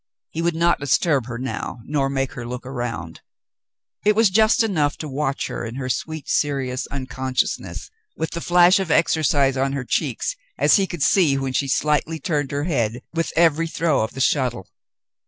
He would not disturb her now nor make her look around. It was enough just to watch her in her sweet serious unconsciousness, with the flush of exercise on her cheeks as he could see when she slightly turned her head with every throw of the shuttle.